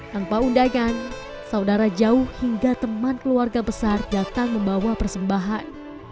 tanpa undangan saudara jauh hingga teman keluarga besar datang membawa persembahan